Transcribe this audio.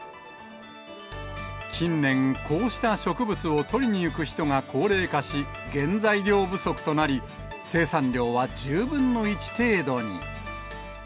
近年、こうした植物を取りに行く人が高齢化し、原材料不足となり、生産量は１０分の１程度に。